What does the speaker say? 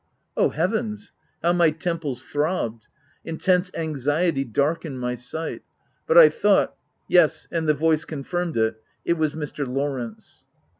Oh heavens, how my temples throbbed ! Intense anxiety darkened my sight ; but I thought — yes, and the voice confirmed it — it was Mr. Lawrence.